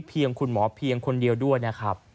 คุณหมอเพียงคนเดียวด้วยนะครับ